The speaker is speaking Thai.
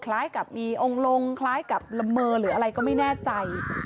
คล้ายกับมีองค์ลงคล้ายกับละเมอหรืออะไรก็ไม่แน่ใจ